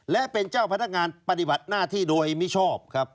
และเป็นเจ้าพนักงานปฏิบัติหน้าที่โดยมิชอบครับ